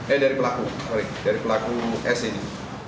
eh dari pelaku sorry dari pelaku s ini